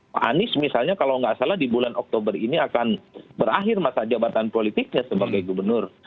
pak anies misalnya kalau nggak salah di bulan oktober ini akan berakhir masa jabatan politiknya sebagai gubernur